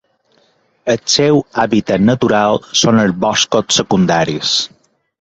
El seu hàbitat natural són els boscos secundaris.